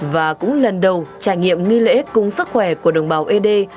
và cũng lần đầu trải nghiệm nghi lễ cung sức khỏe của đồng bào ede